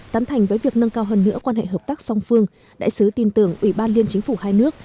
tán thành với việc nâng cao hơn nữa quan hệ hợp tác song phương đại sứ tin tưởng ủy ban liên chính phủ hai nước